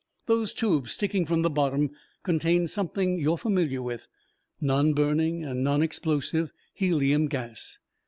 "Those tubes sticking from the bottom contain something you are familiar with: non burning and non explosive helium gas.